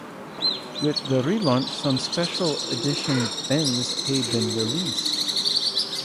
With the relaunch some "Special Edition" beanz have been released.